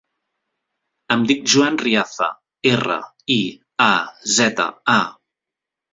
Em dic Joan Riaza: erra, i, a, zeta, a.